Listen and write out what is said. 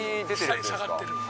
下にさがってる。